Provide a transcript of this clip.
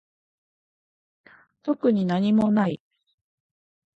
特になにもない